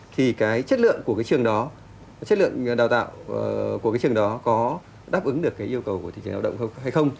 thì cái chất lượng của cái trường đó chất lượng đào tạo của cái trường đó có đáp ứng được cái yêu cầu của thị trường lao động không hay không